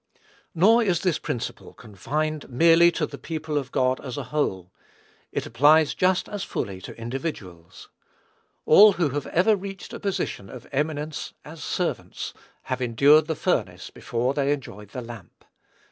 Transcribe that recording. Nor is this principle confined merely to the people of God as a whole; it applies just as fully to individuals. All who have ever reached a position of eminence as servants, have endured the furnace before they enjoyed the lamp.